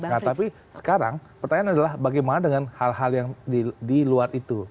nah tapi sekarang pertanyaan adalah bagaimana dengan hal hal yang di luar itu